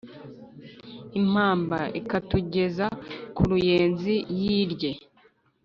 impamba itakugeza kuruyenzi yi rye